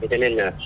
thế nên là